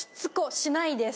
しないです。